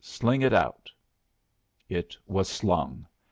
Sling it out." It was slung.